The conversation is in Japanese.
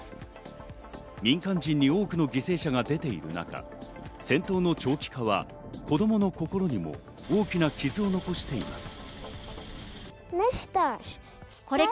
民間人に多くの犠牲者が出ている中、戦闘の長期化は子供の心にも大きな傷を残しています。